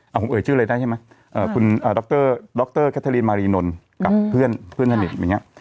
เอาผมเอ่ยชื่ออะไรได้ใช่ไหมคุณดรดรแคทรินมารีนนท์กับเพื่อนสนิทอย่างนี้